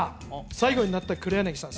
最後になった黒柳さん